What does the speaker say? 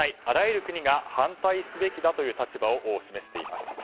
あらゆる国が反対すべきだという立場を示しています。